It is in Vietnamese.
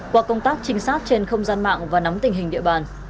qua công tác trinh sát trên không gian mạng và nắm tình hình địa bàn